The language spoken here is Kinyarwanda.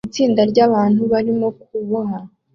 Itsinda ryabantu barimo kuboha